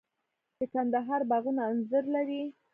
د کندهار باغونه انځر لري.